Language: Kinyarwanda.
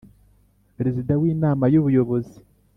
Perezida w Inama y ubuyobozi